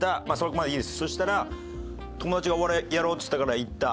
そしたら友達がお笑いやろうっつったから行った。